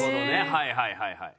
はいはいはいはい。